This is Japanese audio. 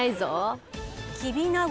きびなご。